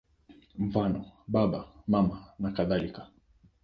Mfano: Baba, Mama nakadhalika.